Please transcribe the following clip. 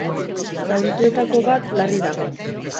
Zaurituetako bat larri dago.